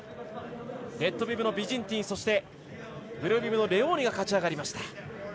レッドビブのビジンティンそしてブルービブのレオーニが勝ち上がりました。